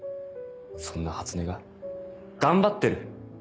そんな初音が「頑張ってる」？